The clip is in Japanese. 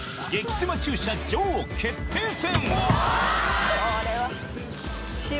セマ駐車女王決定戦！